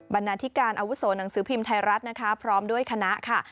บรรณาธิการอาวุศว์หนังสือพิมพ์ไทยรัฐพร้อมด้วยคณะ